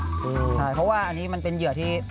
ใช่เพราะว่าอันนี้มันเป็นเหยื่อที่